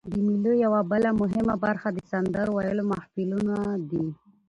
د مېلو یوه بله مهمه برخه د سندرو ویلو محفلونه دي.